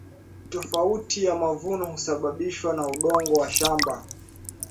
tofauti ya mavuno husababishwa na udongo wa shamba